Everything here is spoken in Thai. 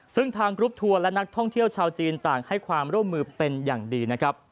ซึ่งทางกรุ๊ปทัวร์และนักท่องเที่ยวชาวจีนต่างให้ความร่วมมือเป็นอย่างดีนะครับ